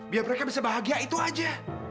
biar mereka bisa bahagia itu aja